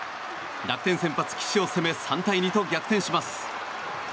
楽天先発、岸を攻め３対２と逆転します。